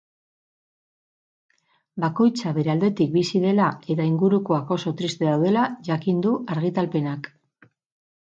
Bakoitza bere aldetik bizi dela eta ingurukoak oso triste daudela jakin du argitalpenak.